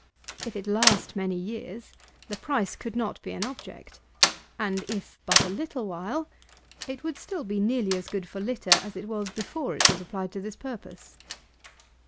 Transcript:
If it last many years, the price could not be an object; and if but a little while, it would still be nearly as good for litter as it was before it was applied to this purpose.